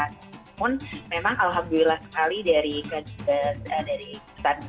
namun memang alhamdulillah sekali dari kejadian dari peserta peserta